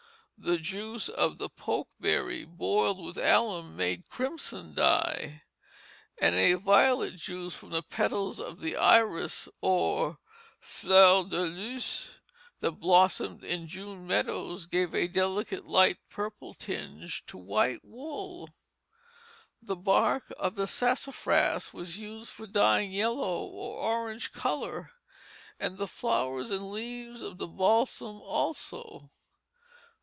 The juice of the pokeberry boiled with alum made crimson dye, and a violet juice from the petals of the iris, or "flower de luce," that blossomed in June meadows, gave a delicate light purple tinge to white wool. The bark of the sassafras was used for dyeing yellow or orange color, and the flowers and leaves of the balsam also.